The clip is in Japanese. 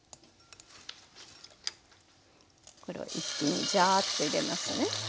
これを一気にジャーッと入れますね。